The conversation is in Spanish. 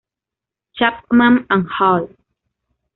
Chapman and Hall".